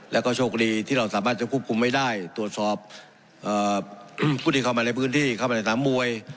แล้วก็โชคดีที่เราสามารถจะควบคุมไม่ได้ตรวจสอบผู้ที่เข้ามาในพื้นที่เข้ามาในสนามมวย